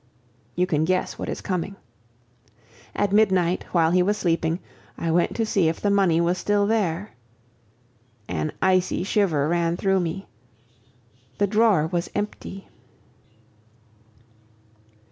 You can guess what is coming. At midnight, while he was sleeping, I went to see if the money was still there. An icy shiver ran through me. The drawer was empty.